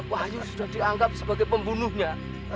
wahyu sudah dianggap sebagai pembunuhnya